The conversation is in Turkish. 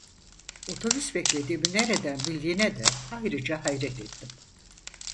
Otobüs beklediğimi nereden bildiğine de ayrıca hayret ettim.